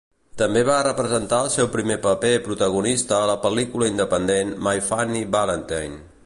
També va representar el seu primer paper protagonista a la pel·lícula independent "My Funny Valentine".